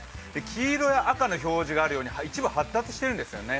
黄色や赤の表示があるように一部、発達してるんですよね。